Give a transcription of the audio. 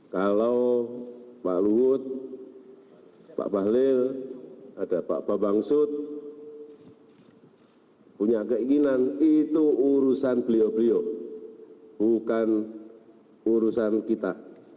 kalau pak luhut pak bahlil ada pak bambang sut punya keinginan itu urusan beliau beliau bukan urusan kita